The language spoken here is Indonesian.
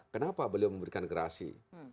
kenapa beliau memberikan gerasi